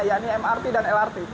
yakni mrt dan lrt